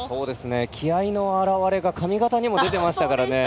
気合いの表れが髪形にも出ていましたからね。